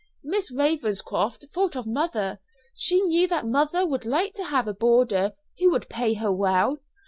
Miss Ravenscroft thought of mother; she knew that mother would like to have a boarder who would pay her well.